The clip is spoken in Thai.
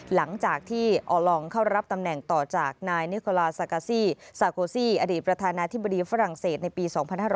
หลังจากที่ออลองเข้ารับตำแหน่งต่อจากนายนิโคลาซากาซี่ซาโกซี่อดีตประธานาธิบดีฝรั่งเศสในปี๒๕๕๙